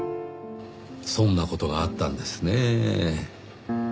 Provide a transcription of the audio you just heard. そんな事があったんですねぇ。